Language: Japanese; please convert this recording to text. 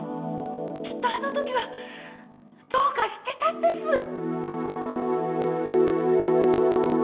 きっとあの時はどうかしてたんです。